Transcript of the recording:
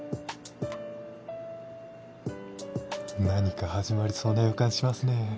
何か始まりそうな予感しますね。